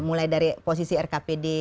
mulai dari posisi rkpd